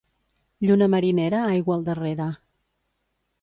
Lluna marinera, aigua al darrere.